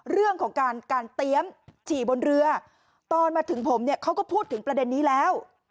เรื่องของการการเตรียมฉี่บนเรือตอนมาถึงผมเนี่ยเขาก็พูดถึงประเด็นนี้แล้ว